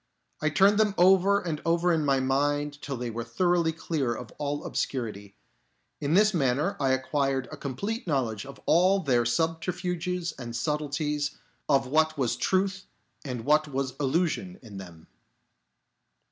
I turned them over and over in my mind till they were thoroughly clear of all obscurity. In this manner I acquired a complete knowledge of all their subterfuges and subtleties, of what was truth and what was illusion in them.